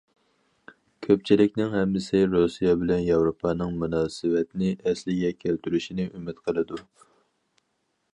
كۆپچىلىكنىڭ ھەممىسى رۇسىيە بىلەن ياۋروپانىڭ مۇناسىۋەتنى ئەسلىگە كەلتۈرۈشىنى ئۈمىد قىلىدۇ.